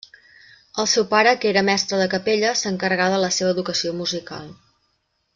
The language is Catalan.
El seu pare que era mestre de capella, s'encarregà de la seva educació musical.